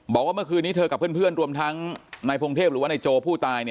บอกว่าเมื่อคืนนี้เธอกับเพื่อนรวมทั้งนายพงเทพหรือว่านายโจผู้ตาย